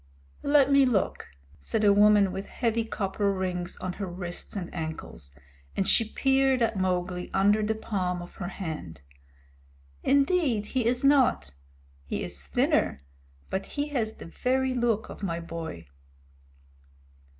"Let me look," said a woman with heavy copper rings on her wrists and ankles, and she peered at Mowgli under the palm of her hand. "Indeed he is not. He is thinner, but he has the very look of my boy."